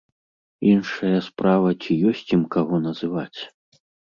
Іншая справа, ці ёсць ім каго называць?